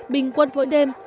bình quân vội đêm